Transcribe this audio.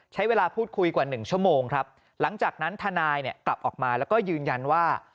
ใช้เวลาพูดคุยกว่า๑ชั่วโมงครับหลังจากนั้นทนายเนี่ยกลับออกมาแล้วก็ยืนยันว่า